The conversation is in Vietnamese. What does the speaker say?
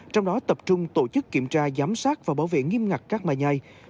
trong đó tập trung tổ chức kiểm tra giám sát và bảo vệ nghiêm ngặt các bài nhai